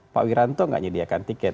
pak wiranto nggak nyediakan tiket